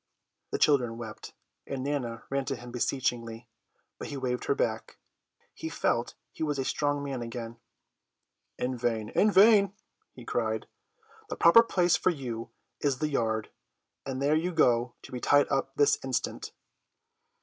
The children wept, and Nana ran to him beseechingly, but he waved her back. He felt he was a strong man again. "In vain, in vain," he cried; "the proper place for you is the yard, and there you go to be tied up this instant."